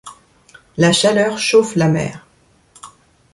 la chaleur chauffe la mer